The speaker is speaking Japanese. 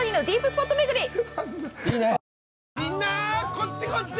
こっちこっち！